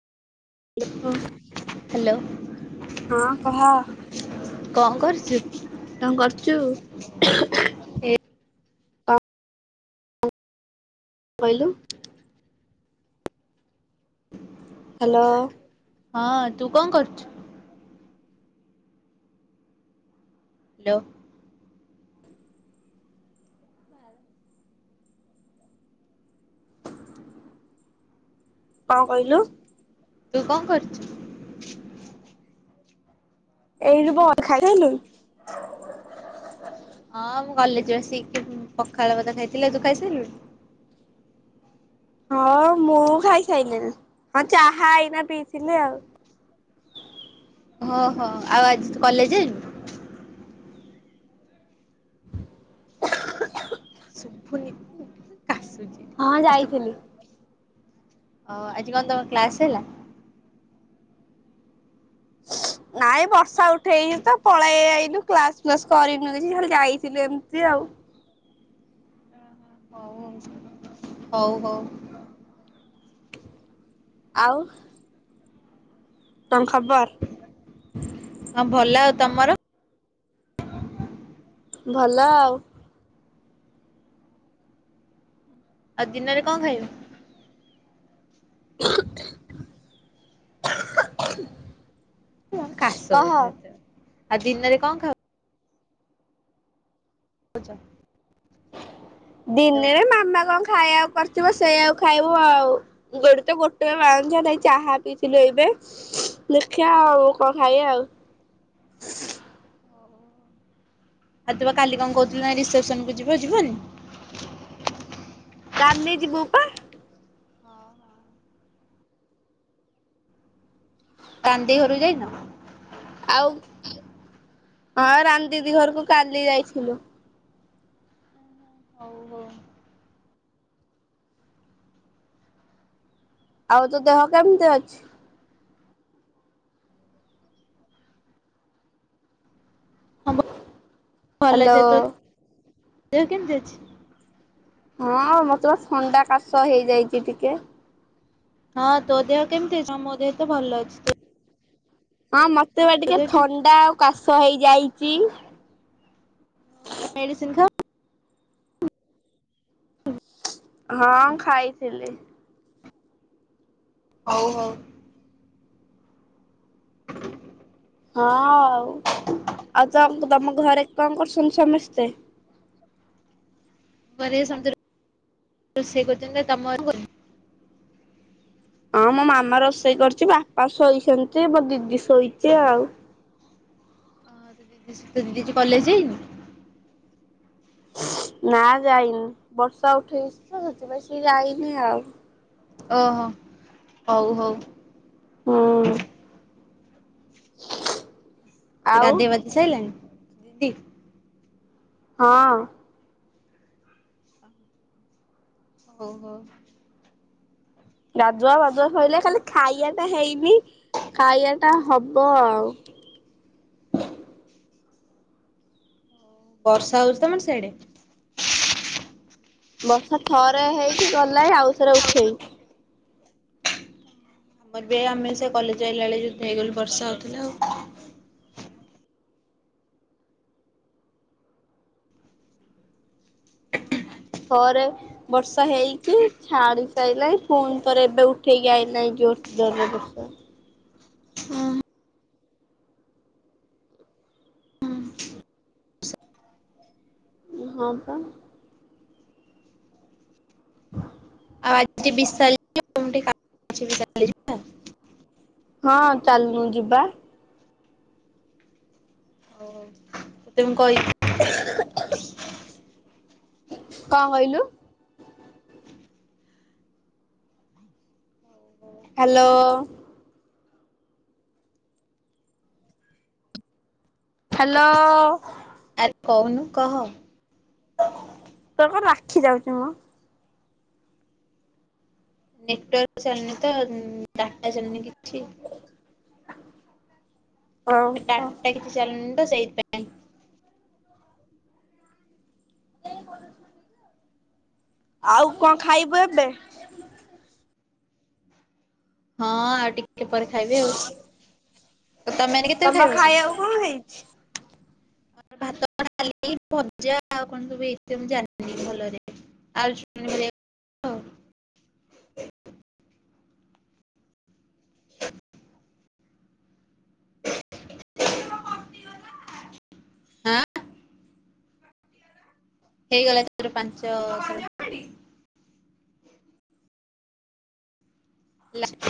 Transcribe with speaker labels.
Speaker 1: Hello
Speaker 2: ହଁ କହ।
Speaker 1: କଣ କରୁଚୁ?
Speaker 2: କଣ କରୁଚୁ?
Speaker 1: ଏ
Speaker 2: କଇଲୁ। ହାଲୋ।
Speaker 1: ହଁ ତୁ କଣ କରୁଚୁ? ହାଲୋ।
Speaker 2: କଣ କହିଲୁ?
Speaker 1: ତୁ କଣ କରୁଚୁ?
Speaker 2: ଏଇଟି ବ ଖାଇ ସାଇଲୁଣି। [inaudible]
Speaker 1: ହଁ ମୁଁ କଲେଜରୁ ଆସିକି ପଖାଳଭାତ ଖାଇଥିଲି। ତୁ ଖାଇ ସାଇଲୁଣି।
Speaker 2: ହଁ ମୁଁ ଖାଇ ସାଇଲିଣି। ହଁ ଚାହା ଏଇନା ପିଇଥିଲି ଆଉ।
Speaker 1: ହଁ ହଁ ଆଉ ଆଜିୁ ତୁ କଲେଜ୍ ଜାଇନୁ? ଶୁଭୁନି କାଶୁଚି।
Speaker 2: ହଁ ଯାଇଥିଲି।
Speaker 1: ହଁ ଆଜି କଣ ତମ କ୍ଲାସ୍ ହେଲା?
Speaker 2: ହ [unintelligible] ନାଇଁ ବର୍ଷା ଉଠେଇଚି ତ ପଳେଇ ଆଇଲୁ। କ୍ଲାସ୍ ଫ୍ଲାସ୍ କରିନୁ କିଛି ଖାଲି ଯାଇଥିଲୁ ଏମିତି ଆଉ।
Speaker 1: ହଉ ହଉ।
Speaker 2: ଆଉ କଣ ଖବର?
Speaker 1: ହଁ ଭଲ। ଆଉ ତମର?
Speaker 2: ଭଲ ଆଉ।
Speaker 1: ଆଉ ଦିନରେ କଣ ଖାଇବ?
Speaker 2: [inaudible] ହ [unintelligible]
Speaker 1: ଆଉ ଦିନରେ କଣ ଖାଉ? ପିଜା।
Speaker 2: ଦିନେରେ ମାମା କଣ ଖାଇବାକୁ କରିଥିବ ସେଇଆକୁ ଖାଇବୁ ଆଉ। ଗୋଟେ ବଟଲ୍ [unintelligible] ଚାହା ପିଇଥିଲୁ ଏବେ। ଦେଖିଆ ଆଉ କଣ ଖାଇଆ ଆଉ?
Speaker 1: ତୁ ବା କାଲି କଣ କହୁଥିଲୁ ନା ରିସେପ୍ସନକୁ ଯିବୁ, ଯିବୁନି?
Speaker 2: କାଲି ଯିବୁ ପା।
Speaker 1: ରାନ୍ଦେଇ ଘରୁକୁ ଯାଇନ?
Speaker 2: ଆଉ, ହଁ ରାନ୍ ଦିଦି ଘରକୁ କାଲି ଯାଇଥିଲୁ।
Speaker 1: ହଉ ହଉ।
Speaker 2: ଆଉ ତୋ ଦେହ କେମିତି ଅଛି?
Speaker 1: ହଁ ଭଲ
Speaker 2: ହାଲୋ
Speaker 1: ଅଛି। ତୋ ଦେହ କେମିତି ଅଛି?
Speaker 2: ହଁ ମତେ ବା ଥଣ୍ଡା କାଶ ହେଇଯାଇଚି ଟିକେ।
Speaker 1: ହଁ ତୋ ଦେହ କେମିତି ଅଛି? ହଁ ମୋ ଦେହ ତ ଭଲ ଅଛି। ତ
Speaker 2: ହଁ ମତେ ବା ଟିକେ
Speaker 1: ଦେହ କେମିତି?
Speaker 2: ଥଣ୍ଡା ଆଉ କାଶ ହେଇଯାଇଚି।
Speaker 1: ମେଡିସିନ୍ ଖା
Speaker 2: ହଁ ମୁଁ ଖାଇଥିଲି।
Speaker 1: ହଉ ହଉ।
Speaker 2: ହଁ ଆଉ, ଆଉ ତମ ଘରେ କଣ କରୁସନ୍ତି ସମସ୍ତେ?
Speaker 1: କଣ କରିବେ ରୋଷେଇ କରୁସନ୍ତି। ଆଉ ତମ ଘରେ କ
Speaker 2: ହଁ ମୋ ମାମା ରୋଷେଇ କରୁ ଚି ବାପା ଶୋଇସନ୍ତି, ମୋ ଦିଦି ଶୋଇଚି ଆଉ।
Speaker 1: ତୋ ଦିଦିଆଜି କଲେଜ୍ ଯାଇନି?
Speaker 2: ନା ଯାଇନି ବର୍ଷା ଉଠେଇଚି ତ ସେଥିପାଇଁ ସିଏ ଯାଇନି ଆଉ।
Speaker 1: ଓହୋ, ହଉ ହଉ।
Speaker 2: ହୁଁ।
Speaker 1: ସେ
Speaker 2: ଆଉ
Speaker 1: ଗାଧେଇ ପାଧେଇ ସାରିଲାଣି? ଦିଦି।
Speaker 2: ହଁ।
Speaker 1: ହଉ ହଉ
Speaker 2: ଗାଧୁଆ ପାଧୁଆ ସରିଲାଣି ଖାଲି ଖାଇବାଟା ହେଇନି ଖାଇବା ଟା ହବ ଆଉ।
Speaker 1: ବର୍ଷା ହଉଛି ତମର ସିଆଡେ?
Speaker 2: ବର୍ଷା ଥରେ ହେଇକି ଗଲା ଆଉଥରେ ଉଠେଇ
Speaker 1: ଆମର ବି ଆମେ ସେ କଲେଜ ଆଇିଲା ବେଳେ ଯି ହେଇଗଲୁ ବର୍ଷା ହଉଥିଲା ଆଉ।
Speaker 2: ଥରେ ବର୍ଷା ହେଇକି ଛାଡି ସାରିଲାଇ ପୁଣିଥରେ ଏବେ ଉଠେଇକି ଆଇଲାହିଁ ଜୋର ଜୋରରେ ବର୍ଷା। ଉ ହଁ ପା ହ [inaudible]
Speaker 1: ଆଉ ଆଜି ବି [unintelligible]
Speaker 2: ହଁ ଚାଲନୁ ଯିବା।
Speaker 1: ଓ ତତେ ମୁଁ କହିବି।
Speaker 2: କଣ କହିଲୁ? ହ୍ୟାଲୋ ହ୍ୟାଲୋ
Speaker 1: ଆରେ କହୁନୁ କହ।
Speaker 2: ତ କଣ ରାଖି ଯାଉଛି ମ।
Speaker 1: ନେଟୱାର୍କ ଚାଲୁନି ତ ଡାଟା ଚାଲିନି କିଛି। ଡାଟା କିଛି ଚାଲୁନି ତ ସେଇଥିପାଇଁ
Speaker 2: [inaudible] ଆଉ କଣ ଖାଇବୁ ଏବେ?
Speaker 1: ହଁ ଆଉ ଟିକେ ପରେ ଖାଇବି ଆଉ ତମେ ମାନେ
Speaker 2: ତମ
Speaker 1: କେତେବେଳେ ଖାଇବ
Speaker 2: ଖାଇବାକୁ
Speaker 1: ସବୁ?
Speaker 2: କଣ ହେଇଛି?
Speaker 1: ଭାତ କଣ ଖାଇ [unintelligible] ଏଇ ଭଜା ଆଉ କଣ ସବୁ ହେଇଥିବ ମୁଁ ଜାଣିନି ଭଲରେ ଆଳୁ ହେରିକା ହ [inaudible]
Speaker 2: ଆ [inaudible]
Speaker 1: ଆ [inaudible] ହେଇଗଲା ତୋର ପାଞ୍ଚ ଲା